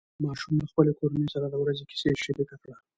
ماشوم له خپلې کورنۍ سره د ورځې کیسه شریکه کړه